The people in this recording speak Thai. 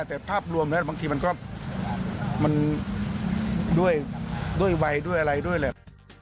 แต่ภาพรวมแล้วบางทีมันก็มันด้วยวัยด้วยอะไรด้วยแหละ